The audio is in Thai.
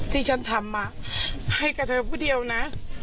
ที่ฉันทำให้กับเธอผู้เดียวนะ